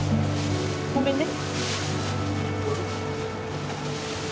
ごめんね。